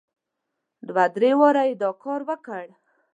دوه درې واره یې دا کار وکړ.